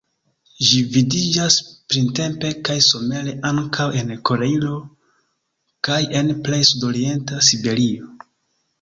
Ĝi vidiĝas printempe kaj somere ankaŭ en Koreio kaj en plej sudorienta Siberio.